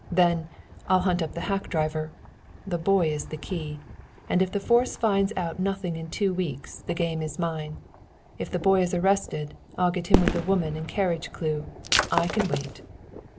Then, I'll hunt up the hack driver. The boy is the key. And if the force finds out nothing in two weeks the game is mine! If the boy is arrested, I'll get in with the woman and carriage clue. I can wait!"